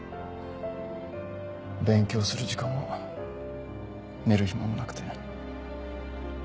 勉強する時間も寝る暇もなくて。